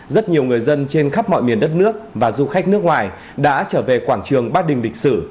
rất nhiều người dân trên khắp mọi miền đất nước và du khách nước ngoài đã trở về quảng trường bát đình lịch sử